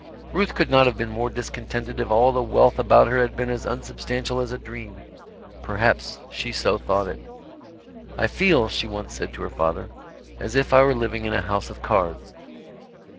Ruth could not have been more discontented if all the wealth about her had been as unsubstantial as a dream. Perhaps she so thought it. "I feel," she once said to her father, "as if I were living in a house of cards."